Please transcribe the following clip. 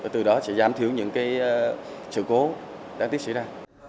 từ đó sẽ giảm thiếu những sự cố đang tiếp xử ra